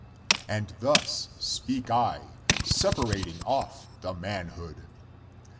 And thus speak I, separat ing ofif the manhood.